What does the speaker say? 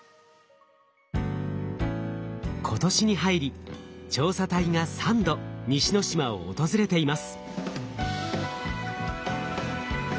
今年に入り調査隊が３度西之島を訪れています。